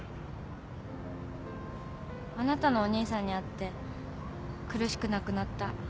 あなたのお兄さんに会って苦しくなくなった。